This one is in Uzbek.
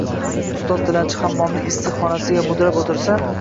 Ustoz tilanchi hammomning issiq xonasida mudrab o’tirsa